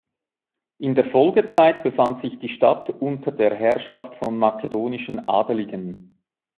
In der Folgezeit befand sich die Stadt unter der Herrschaft von makedonischen Adeligen.